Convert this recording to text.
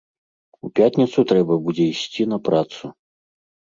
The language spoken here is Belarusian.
У пятніцу трэба будзе ісці на працу.